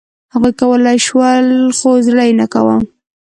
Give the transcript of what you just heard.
هغوی کولای شول، خو زړه یې نه کاوه.